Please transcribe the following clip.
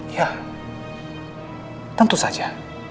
ya tentu saja